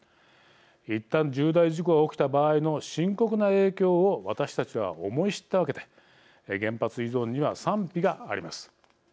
いったん重大事故が起きた場合の深刻な影響を私たちは思い知ったわけで原発依存には賛否があります。